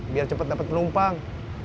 biar cepat dapet penumpang